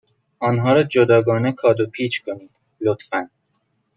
آنها را جداگانه کادو پیچ کنید، لطفا.